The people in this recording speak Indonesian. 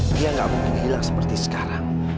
dia nggak mungkin hilang seperti sekarang